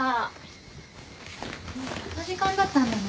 もうこんな時間だったんだね。